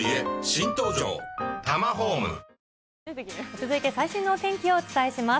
続いて最新のお天気をお伝えします。